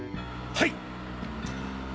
はい！